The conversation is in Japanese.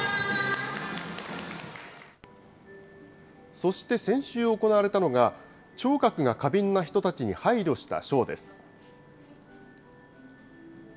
そして先週行われたのが、聴覚が過敏な人たちに配慮したショーです。